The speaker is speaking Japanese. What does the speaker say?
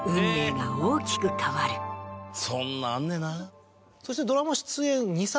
そんなんあんねな。